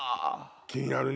気になるね